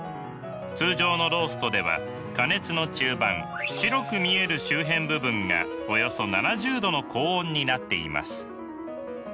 通常のローストでは加熱の中盤白く見える周辺部分がおよそ７０℃の高温になっています。